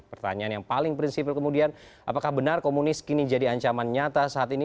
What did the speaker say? pertanyaan yang paling prinsipil kemudian apakah benar komunis kini jadi ancaman nyata saat ini